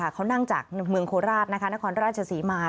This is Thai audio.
เขานั่งจากเมืองโคราชนครราชศรีมา